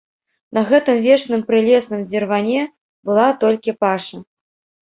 На гэтым вечным прылесным дзірване была толькі паша.